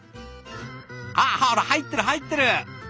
ああほら入ってる入ってる！